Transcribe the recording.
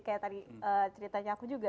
kayak tadi ceritanya aku juga